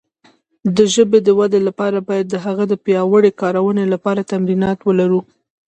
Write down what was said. د ژبې د وده لپاره باید د هغه د پیاوړې کارونې لپاره تمرینات ولرو.